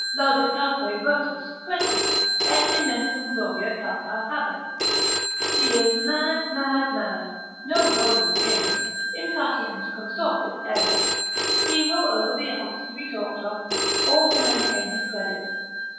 ———laudataque virtus Crescit, et immensum gloria calcar habet. he is mad, mad, mad, no woe with him:—impatiens consortis erit, he will over the Alps to be talked of, or to maintain his credit.